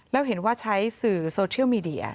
แล้วเห็นว่าใช้สื่อโซเชียลมีเดีย